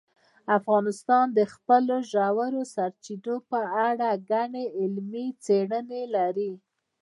افغانستان د خپلو ژورو سرچینو په اړه ګڼې علمي څېړنې لري.